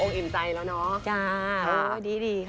คุณองค์อิ่มใจแล้วเนอะค่ะโอ้ดีค่ะดี